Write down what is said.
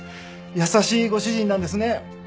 優しいご主人なんですね。